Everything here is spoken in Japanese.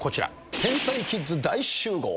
天才キッズ大集合。